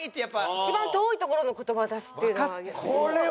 一番遠いところの言葉を出すっていうのは。